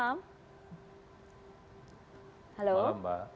selamat malam mba